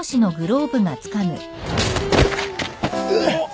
うっ！